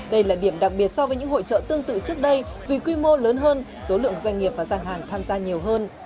đây là điểm đặc biệt so với những hội trợ tương tự trước đây vì quy mô lớn hơn số lượng doanh nghiệp và gian hàng tham gia nhiều hơn